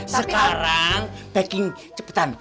sekarang packing cepetan